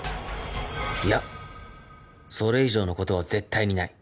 いやそれ以上の事は絶対にない